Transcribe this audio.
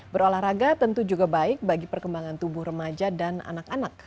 berolahraga tentu juga baik bagi perkembangan tubuh remaja dan anak anak